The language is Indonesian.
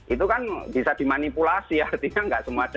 itu kan bisa dimanipulasi artinya gak semua daya